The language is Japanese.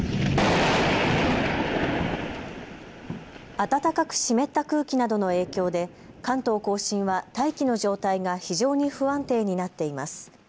暖かく湿った空気などの影響で関東甲信は大気の状態が非常に不安定になっています。